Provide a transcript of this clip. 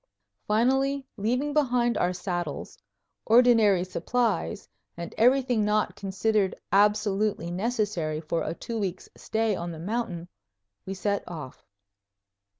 Finally, leaving behind our saddles, ordinary supplies, and everything not considered absolutely necessary for a two weeks' stay on the mountain, we set off.